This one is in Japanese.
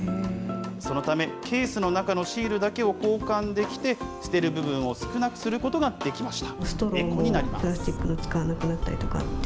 そのため、ケースの中のシールだけを交換できて、捨てる部分を少なくすることができました。